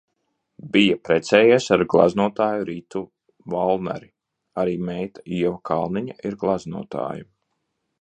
Bija precējies ar gleznotāju Ritu Valneri, arī meita Ieva Kalniņa ir gleznotāja.